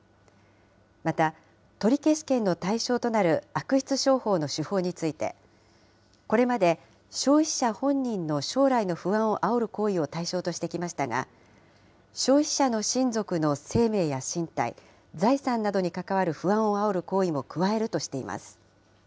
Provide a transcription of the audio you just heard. また、取消権の対象となる悪質商法の手法について、これまで消費者本人の将来の不安をあおる行為を対象としてきましたが、消費者の親族の生命や身体、財産などに関わる不安をあおる行為も加えるとしています。